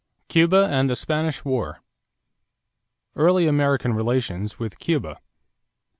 CUBA AND THE SPANISH WAR =Early American Relations with Cuba.